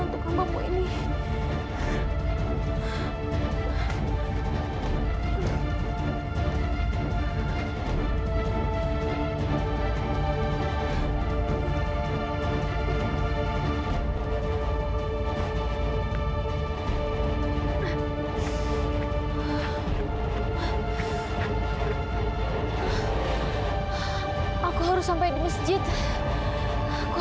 nggak ada di kamarnya